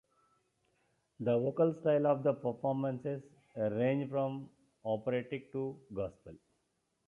The vocal style of the performances range from operatic to gospel.